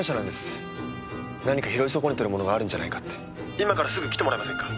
「今からすぐ来て貰えませんか？」